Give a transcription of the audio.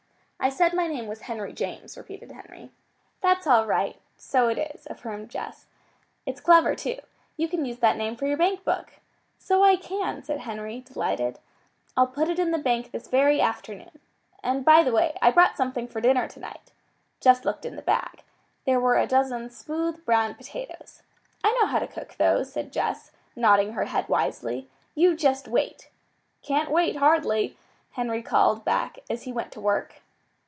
"I said my name was Henry James," repeated Henry. "That's all right. So it is," affirmed Jess. "It's clever, too. You can use that name for your bank book." "So I can!" said Henry, delighted. "I'll put it in the bank this very afternoon. And by the way, I brought something for dinner tonight." Jess looked in the bag. There were a dozen smooth, brown potatoes. "I know how to cook those," said Jess, nodding her head wisely. "You just wait!" "Can't wait, hardly," Henry called back as he went to work.